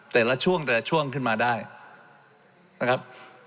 แต่ละช่วงแต่ละช่วงขึ้นมาได้นะครับ